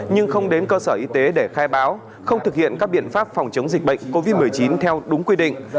nhưng không đến cơ sở y tế để khai báo không thực hiện các biện pháp phòng chống dịch bệnh covid một mươi chín theo đúng quy định